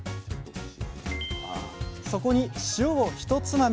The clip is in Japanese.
そこに塩をひとつまみ。